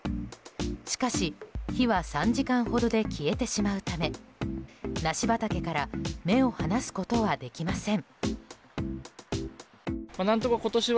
しかし、火は３時間ほどで消えてしまうため梨畑から目を離すことはできません。